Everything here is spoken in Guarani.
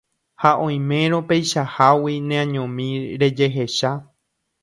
Ha oimérõ peichahágui neañomi rejehecha